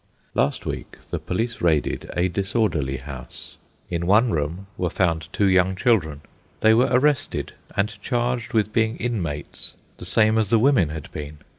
Last week the police raided a disorderly house. In one room were found two young children. They were arrested and charged with being inmates the same as the women had been.